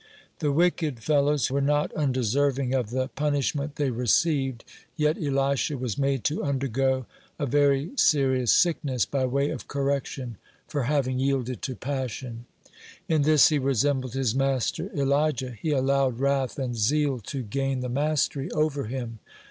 The wicked fellows were not undeserving of the punishment they received, yet Elisha was made to undergo a very serious sickness, by way of correction for having yielded to passion. (4) In this he resembled his master Elijah; he allowed wrath and zeal to gain the mastery over him.